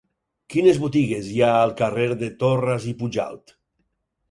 Quines botigues hi ha al carrer de Torras i Pujalt?